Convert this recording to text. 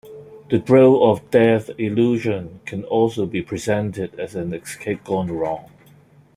The Drill of Death illusion can also be presented as an "escape gone wrong".